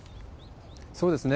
そうですね。